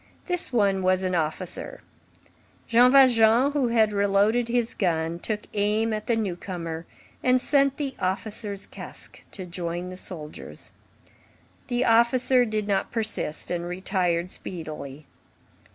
This one was an officer. Jean Valjean, who had re loaded his gun, took aim at the newcomer and sent the officer's casque to join the soldier's. The officer did not persist, and retired speedily.